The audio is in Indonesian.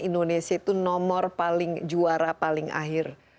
indonesia itu nomor paling juara paling akhir